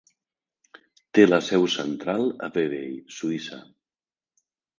Té la seu central a Vevey, Suïssa.